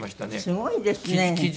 すごいですね。